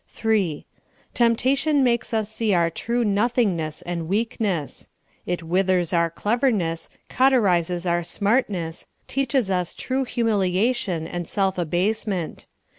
3. Temptation makes us see our true nothingness and weakness. It withers our cleverness, cauterizes our smartness, teaches us true humiliation and self abase ment.